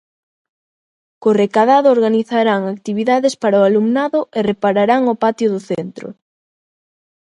Co recadado organizarán actividades para o alumnado e repararán o patio do centro.